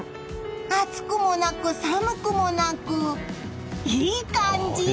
暑くもなく寒くもなくいい感じ！